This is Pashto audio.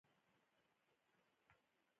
چیرته ځئ؟